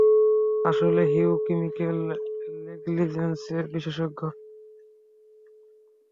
আসলে, Hugh criminal নেগলিজেন্সে বিশেষজ্ঞ।